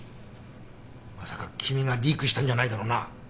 まさか君がリークしたんじゃないだろうな。